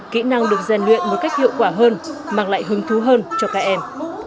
kỹ năng được rèn luyện một cách hiệu quả hơn mang lại hứng thú hơn cho các em